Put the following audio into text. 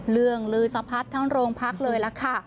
เรื่องลือสะพัดทั้งโรงพักษณ์เลยล่ะค่ะ